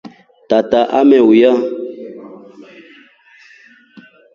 Tata ameuya.